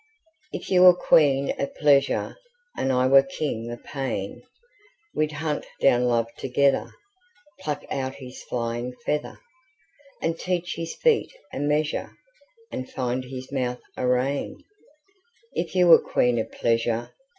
If you were queen of pleasure, And I were king of pain, We'd hunt down love together, Pluck out his flying feather, And teach his feet a measure, And find his mouth a rein; If you were queen of pleasure.